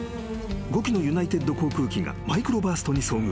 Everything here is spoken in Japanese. ５機のユナイテッド航空機がマイクロバーストに遭遇］